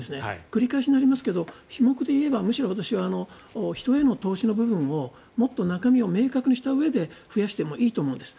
繰り返しいなりますが費目で言えば人への投資の部分ももっと中身を明確にしたうえで増やしてもいいと思うんです。